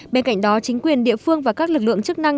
bên cạnh đó chính quyền địa phương và các lực lượng chức năng